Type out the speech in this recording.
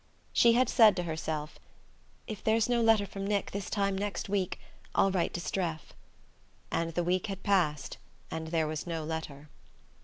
She had said to herself: "If there's no letter from Nick this time next week I'll write to Streff " and the week had passed, and there was no letter.